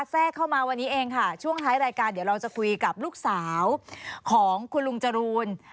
แทรกเข้ามาวันนี้เองค่ะช่วงท้ายรายการเดี๋ยวเราจะคุยกับลูกสาวของคุณลุงจรูน